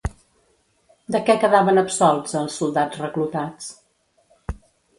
De què quedaven absolts els soldats reclutats?